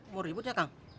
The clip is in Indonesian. mau ribut ya kang